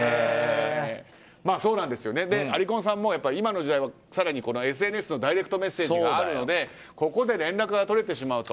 ありこんさんも今の時代はＳＮＳのダイレクトメッセージがあるのでここで連絡が取れてしまうと。